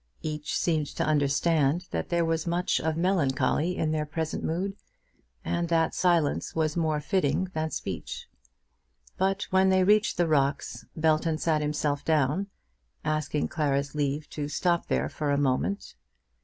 Each seemed to understand that there was much of melancholy in their present mood, and that silence was more fitting than speech. But when they reached the rocks Belton sat himself down, asking Clara's leave to stop there for a moment.